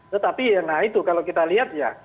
tetapi kalau kita lihat